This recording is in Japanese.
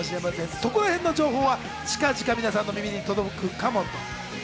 そこらへんの情報はまた皆さんの耳に届くと思います。